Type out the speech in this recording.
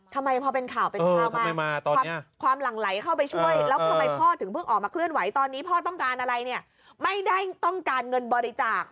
ก็ต้องการอะไรไม่ได้ต้องการเงินบริจาค